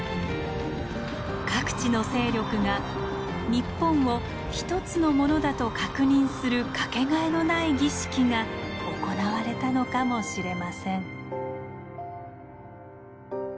各地の勢力が日本を一つのものだと確認する掛けがえのない儀式が行われたのかもしれません。